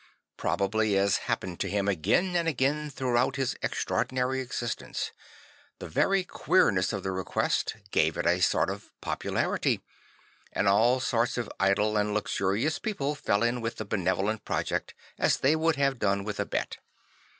Probably, as happened to him again and again throughout his extra ordinary existence, the very queerness of the request gave it a sort of popularity; and all sorts of idle and luxurious people fell in with the benevolent project, as they would have done with a bet.